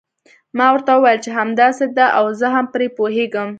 ما ورته وویل چې همداسې ده او زه هم پرې پوهیږم.